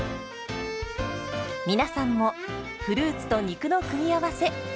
皆さんもフルーツと肉の組み合わせ